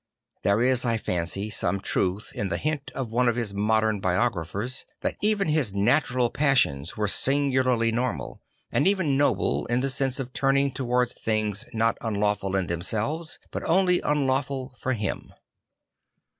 There is, I fancy, some truth in the hint of one of his modern biographers, that even his natural passions were singularly normal and even noble, in the sense of turning towards things not unlawful in them selves but only unlawful for him.